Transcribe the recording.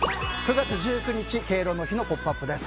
９月１９日、敬老の日の「ポップＵＰ！」です。